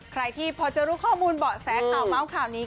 ใครที่พอจะรู้ข้อมูลเบาะแสข่าวเมาส์ข่าวนี้